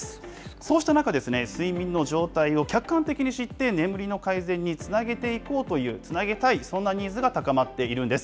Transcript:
そうした中、睡眠の状態を客観的に知って、眠りの改善につなげていこうという、つなげたい、そんなニーズが高まっているんです。